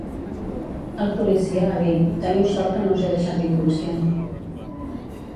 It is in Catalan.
El policia va dir: "teniu sort que no us he deixat inconscient!"